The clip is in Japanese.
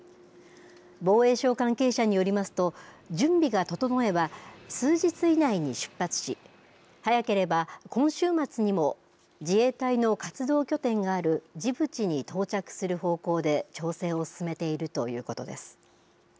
防衛省関係者によりますと準備が整えば数日以内に出発し早ければ今週末にも自衛隊の活動拠点があるジブチに到着する方向で調整を進めているということです。